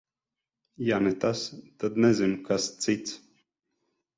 Ja ne tas, tad nezinu, kas cits.